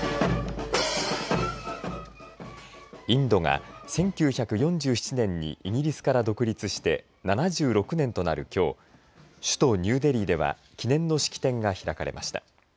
インドが１９４７年にイギリスから独立して７６年となる、きょう首都ニューデリーでは記念の式典が開かれました。